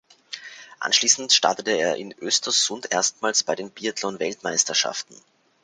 Anschließend startete er in Östersund erstmals bei den Biathlon-Weltmeisterschaften.